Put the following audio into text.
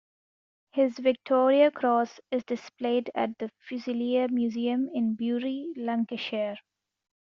His Victoria Cross is displayed at the Fusilier Museum in Bury, Lancashire.